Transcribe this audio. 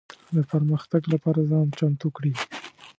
د پرمختګ لپاره ځان چمتو کړي.